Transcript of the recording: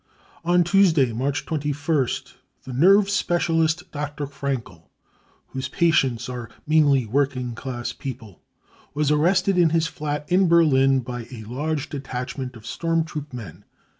On Tuesday March 21st the nerve specialist Dr. Fraenkel, whose patients are mainly working class people, was arrested in his flat in Berlin by a large detachment of storm troop men.